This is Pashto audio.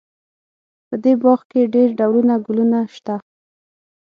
په دې باغ کې ډېر ډولونه ګلونه شته